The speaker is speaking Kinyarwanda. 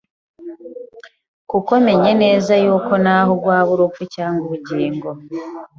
"Kuko menye neza yuko n’aho rwaba urupfu cyangwa ubugingo,